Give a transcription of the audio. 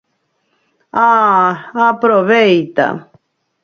Ah, aproveita!